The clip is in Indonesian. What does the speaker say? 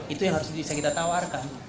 itu yang harus bisa kita tawarkan